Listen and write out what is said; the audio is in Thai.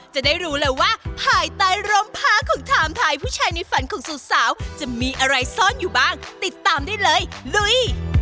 จะได้รู้เลยว่าภายใต้ร่มผ้าของไทม์ไทยผู้ชายในฝันของสาวจะมีอะไรซ่อนอยู่บ้างติดตามได้เลยลุย